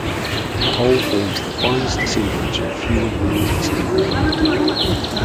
The whole forms the finest assemblage of feudal ruins in Poitou.